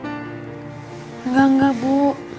enggak enggak bu